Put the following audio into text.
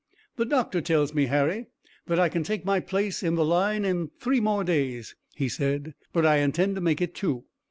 "The doctor tells me, Harry, that I can take my place in the line in three more days," he said, "but I intend to make it two.